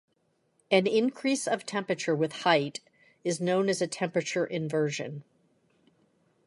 An increase of temperature with height is known as a temperature inversion.